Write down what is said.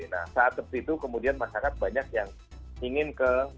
nah saat seperti itu kemudian masyarakat banyak yang ingin ke